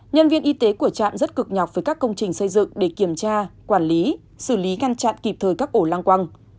nhân viên y tế của trạm rất cực nhọc với các công trình xây dựng để kiểm tra quản lý xử lý ngăn chặn kịp thời các ổ lang quang